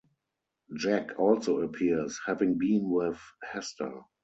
Jack also appears, having been with Hester.